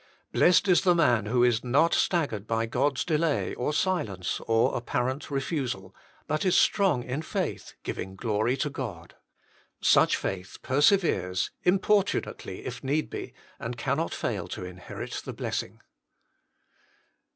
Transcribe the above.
Blessed the man who is not staggered by God s delay, or silence, or apparent refusal, but is strong in faith, giving glory to God. Such faith perseveres, importu nately, if need be, and cannot fail to inherit the blessing.